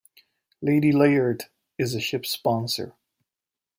Lady Layard is the ship's sponsor.